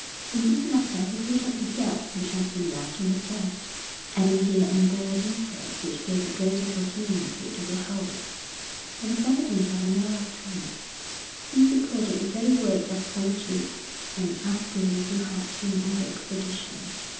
In this letter he filled up the gaps which had been left in the first, adding here and there details which gave a greater coherency to the whole; and his evidence had an air of truth, since he quoted the very words of porters and askari who had been on the expedition.